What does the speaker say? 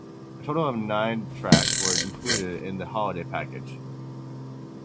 A total of nine tracks were included in the holiday package.